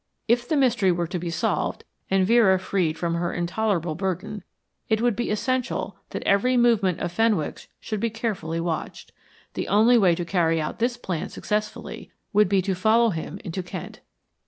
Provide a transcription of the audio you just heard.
If the mystery were to be solved and Vera freed from her intolerable burden, it would be essential that every movement of Fenwick's should be carefully watched. The only way to carry out this plan successfully would be to follow him into Kent.